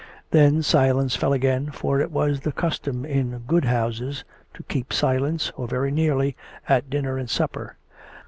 Then silence fell again, for it was the custom in good houses to keep silence, or very nearly, at dinner and supper.